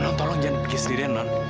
non non tolong jangan pergi sendirian non